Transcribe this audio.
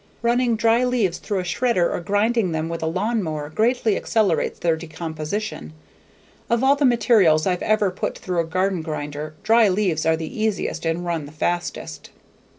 Running dry leaves through a shredder or grinding them with a lawnmower greatly accelerates their decomposition. Of all the materials I've ever put through a garden grinder, dry leaves are the easiest and run the fastest.